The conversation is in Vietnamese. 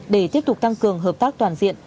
để tiếp tục tăng cường hợp tác toàn diện